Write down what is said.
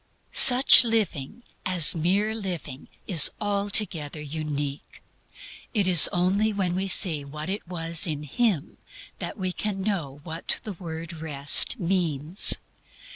Such living, as mere living, is altogether unique. It is only when we see what it was in Him that we can know what the word Rest means.